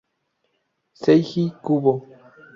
Seiji Kubo